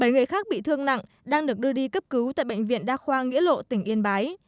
bảy người khác bị thương nặng đang được đưa đi cấp cứu tại bệnh viện đa khoa nghĩa lộ tỉnh yên bái